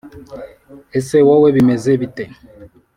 ese wowe bimeze bit?